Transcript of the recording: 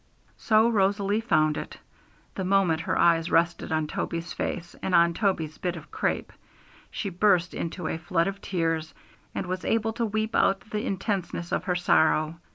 So Rosalie found it; the moment her eyes rested on Toby's face and on Toby's bit of crape, she burst into a flood of tears, and was able to weep out the intenseness of her sorrow.